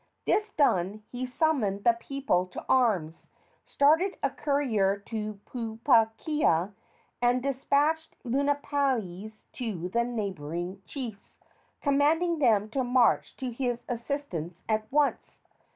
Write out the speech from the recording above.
This done, he summoned the people to arms, started a courier to Pupuakea, and despatched lunapais to the neighboring chiefs, commanding them to march to his assistance at once.